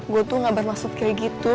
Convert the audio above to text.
gue tuh gak bermaksud kayak gitu